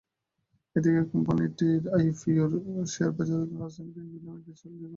এদিন কোম্পানিটির আইপিওর শেয়ারের আবেদনের জন্য রাজধানীর বিভিন্ন ব্যাংকে ছিল দীর্ঘ লাইন।